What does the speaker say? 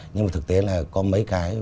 nhưng mà thực tế là có mấy cái